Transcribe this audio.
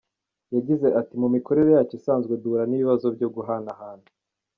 Yagize ati :”Mu mikorere yacu isanzwe duhura n’ibibazo byo guhanahana